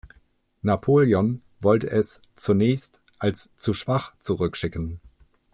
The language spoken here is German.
Napoleon wollte es zunächst als zu schwach zurückschicken.